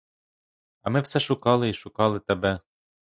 А ми все шукали й шукали тебе.